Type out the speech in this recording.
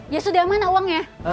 ya sudah mana uangnya